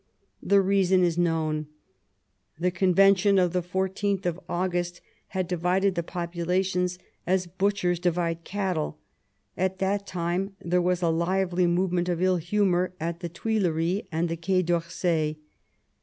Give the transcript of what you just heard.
The result is known. The Convention of the 14th of August had divided the populations as butchers divide cattle ; at that time there was a lively movement of ill humour at the Tuileries and on the Quai d'Orsay.